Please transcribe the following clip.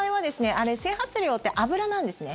あれ整髪料って油なんですね。